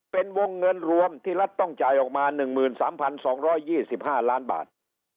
เป็นวงเงินรวมที่รัฐต้องจ่ายออกมา๑๓๒๒๕ล้านบาท